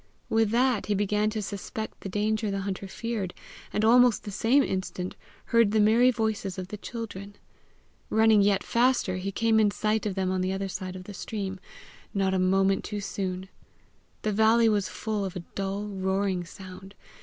With that he began to suspect the danger the hunter feared, and almost the same instant heard the merry voices of the children. Running yet faster, he came in sight of them on the other side of the stream, not a moment too soon. The valley was full of a dull roaring sound.